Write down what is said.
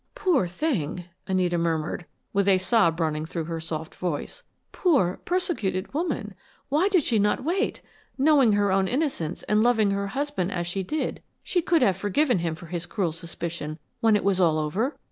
"Poor thing!" Anita murmured, with a sob running through her soft voice. "Poor, persecuted woman. Why did she not wait! Knowing her own innocence and loving her husband as she did, she could have forgiven him for his cruel suspicion when it was all over!